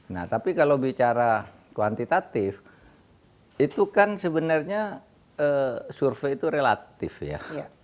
nah tapi kalau bicara kuantitatif itu kan sebenarnya survei itu relatif ya